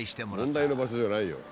問題の場所じゃないよ。